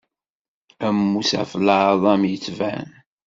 Ammus ɣef leεḍam yettban.